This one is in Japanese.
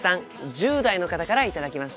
１０代の方から頂きました。